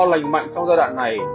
lành mạnh trong giai đoạn này